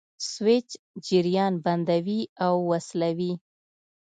سویچ جریان بندوي او وصلوي.